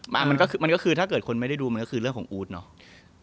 มันก็คือถ้าคนไม่ได้ดูมันก็คือเรื่องของอูตเนาะ